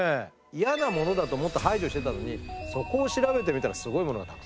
嫌なものだと思って排除してたのにそこを調べてみたらすごいものがたくさんありましたよっていう。